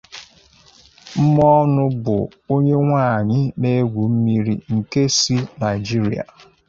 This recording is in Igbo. Monu bu onye nwanyi na-egwu mmiri nke si Naijiria.